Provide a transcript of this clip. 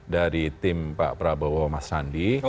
dari tim pak prabowo mas sandi